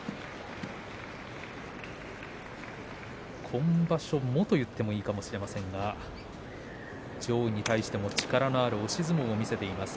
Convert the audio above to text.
今場所もと言ってもいいかもしれませんが上位に対しても力のある押し相撲を見せています